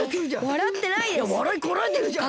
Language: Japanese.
わらいこらえてるじゃん。